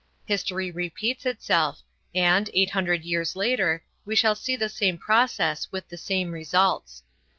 History repeats itself and, eight hundred years later, we shall see the same process with the same results.